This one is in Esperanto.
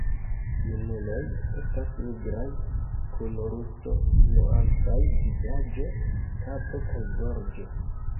Junuloj estas nigraj kun rusto-nuancaj vizaĝo, kapo kaj gorĝo.